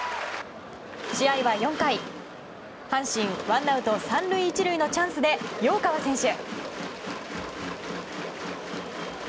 試合は４回、阪神ワンアウト３塁１塁のチャンスで陽川選手。